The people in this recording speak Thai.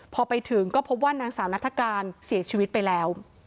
พอไปถึงก็พบว่านางสาวนัฐกาลเสียชีวิตไปแล้ว